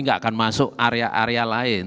nggak akan masuk area area lain